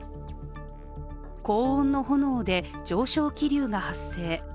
高温の炎で上昇気流が発生。